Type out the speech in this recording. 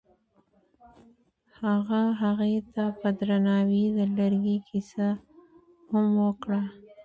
هغه هغې ته په درناوي د لرګی کیسه هم وکړه.